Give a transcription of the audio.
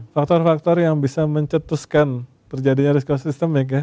faktor faktor yang bisa mencetuskan terjadinya risiko sistemik ya